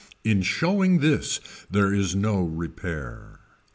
In showing this there is no repair.